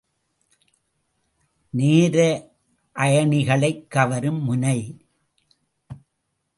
நேரயனிகளைக் கவரும் முனை.